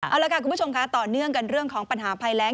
เอาละค่ะคุณผู้ชมค่ะต่อเนื่องกันเรื่องของปัญหาภัยแรง